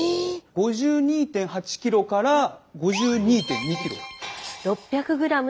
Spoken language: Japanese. ５２．８ｋｇから５２．２ｋｇ。